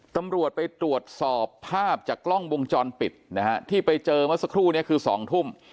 ตำรวจไปตรวจสอบภาพจากกล้องวงจรปิดนะฮะที่ไปเจอเมื่อสักครู่นี้คือ๒ทุ่ม